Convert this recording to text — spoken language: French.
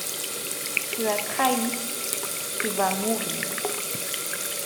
Tu as trahi... tu vas mourir